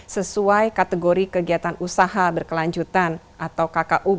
sesuai kategori kegiatan dan kegiatan dari kategori ekonomi dan kegiatan dari ekonomi